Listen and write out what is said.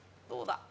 どうだ？